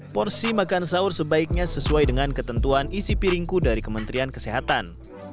porsi makan sahur sebaiknya sesuai dengan ketentuan isi piringku dari kementerian kesehatan